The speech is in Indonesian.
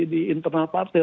di internal partai